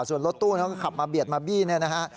ส่วนรถตู้เขาก็ขับมาเบียดมาบี้เนี่ยนะฮะ